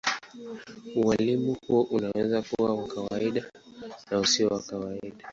Ualimu huo unaweza kuwa wa kawaida na usio wa kawaida.